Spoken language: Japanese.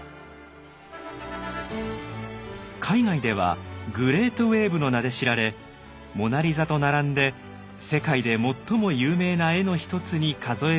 海外では「グレートウエーブ」の名で知られ「モナリザ」と並んで世界で最も有名な絵の一つに数えられるほどの人気ぶり。